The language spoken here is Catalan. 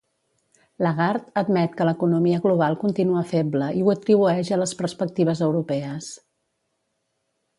Lagarde admet que l'economia global continua feble i ho atribueix a les perspectives europees.